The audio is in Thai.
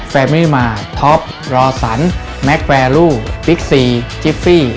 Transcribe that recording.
แฟมินิมาร์ท็อปลอสันแมคแวรูปิ๊กซีจิปฟรี